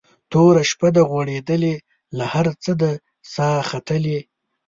توره شپه ده غوړېدلې له هر څه ده ساه ختلې